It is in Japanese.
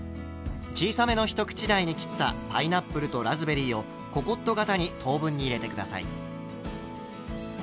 小さめのひと口大に切ったパイナップルとラズベリーをココット型に等分に入れて下さい。